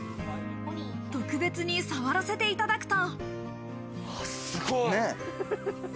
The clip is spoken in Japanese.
特別に触らせていただくと。